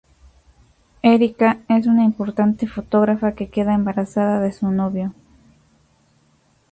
Érika es una importante fotógrafa que queda embarazada de su novio.